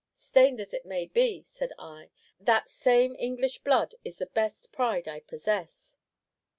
"'Stained as it may be,' said I, 'that same English blood is the best pride I possess.'